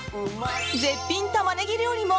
絶品タマネギ料理も！